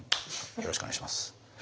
よろしくお願いします。